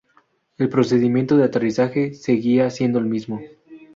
El procedimiento de aterrizaje seguía siendo el mismo.